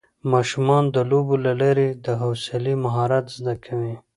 ماشومان د لوبو له لارې د حوصلې مهارت زده کوي